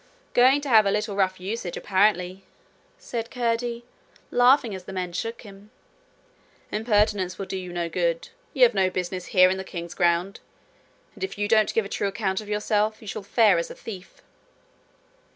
'Going to have a little rough usage, apparently,' said Curdie, laughing, as the men shook him. 'Impertinence will do you no good. You have no business here in the king's grounds, and if you don't give a true account of yourself, you shall fare as a thief.'